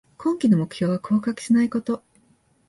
今季の目標は降格しないこと